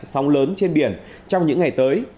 sóng lớn trên biển trong những ngày tới